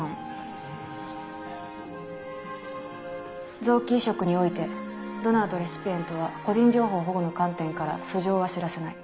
臓器移植においてドナーとレシピエントは個人情報保護の観点から素性は知らせない。